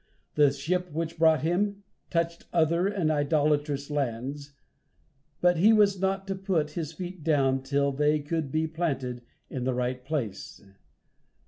The ship which brought him touched other and idolatrous lands, but he was not to put his feet down till they could be planted in the right place.